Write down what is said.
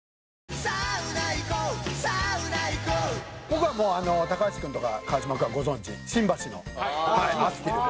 「ここはもう高橋君とか川島君はご存じ新橋のアスティル」